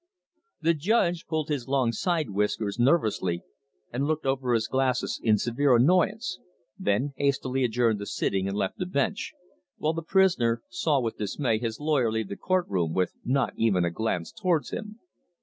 The judge pulled his long side whiskers nervously, and looked over his glasses in severe annoyance, then hastily adjourned the sitting and left the bench, while the prisoner saw with dismay his lawyer leave the court room with not even a glance towards him.